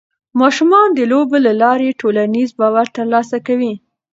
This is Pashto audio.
ماشومان د لوبو له لارې ټولنیز باور ترلاسه کوي.